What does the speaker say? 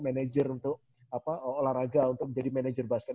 manajer untuk apa olahraga untuk menjadi manajer basket